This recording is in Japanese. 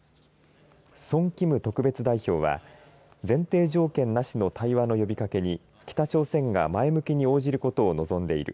ソン・キム特別代表は前提条件なしの対話の呼びかけに北朝鮮が前向きに応じることを望んでいる。